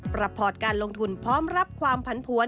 พอร์ตการลงทุนพร้อมรับความผันผวน